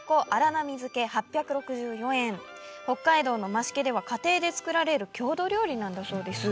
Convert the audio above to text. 北海道の増毛では家庭で作られる郷土料理なんだそうです。